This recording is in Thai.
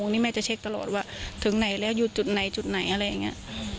นี่แม่จะเช็คตลอดว่าถึงไหนแล้วอยู่จุดไหนจุดไหนอะไรอย่างนี้